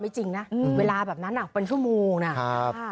ไม่จริงนะเวลาแบบนั้นเป็นชั่วโมงนะ